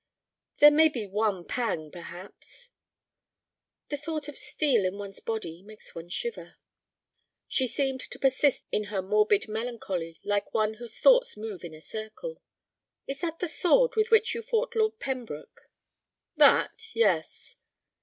"There may be one pang, perhaps." "The thought of steel in one's body makes one shiver." She seemed to persist in her morbid melancholy like one whose thoughts move in a circle. "Is that the sword with which you fought Lord Pembroke?" "That? Yes."